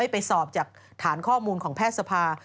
ไปสอบจากฐานข้อมูลของแพทย์สภา